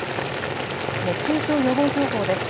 熱中症予防情報です。